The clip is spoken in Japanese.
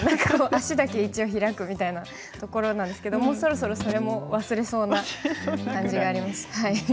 足だけ開くみたいなところなんですけどもうそろそろそれも忘れそうな感じがあります。